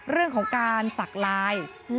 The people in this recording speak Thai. เรื่องของการสักลาย